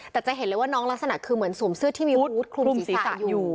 แต่จะเห็นเลยว่าน้องลักษณะคือเหมือนสวมเสื้อที่มีอาวุธคลุมศีรษะอยู่